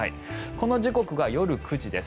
この時刻が夜９時です。